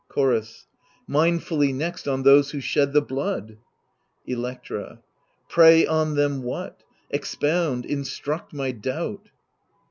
Chorus Mindfully, next, on those who shed the blood — Electra Pray on them what ? expound, instruct my doubt.